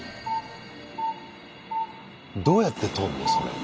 どうやって取んの？